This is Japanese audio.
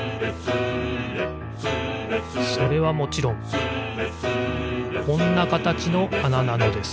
それはもちろんこんなかたちのあななのです